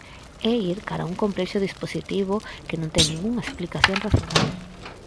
É ir cara a un complexo dispositivo que non ten ningunha explicación racional.